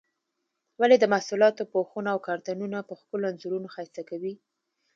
ولې د محصولاتو پوښونه او کارتنونه په ښکلو انځورونو ښایسته کوي؟